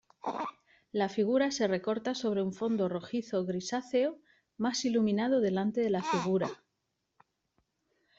La figura se recorta sobre un fondo rojizo-grisáceo, más iluminado delante de la figura.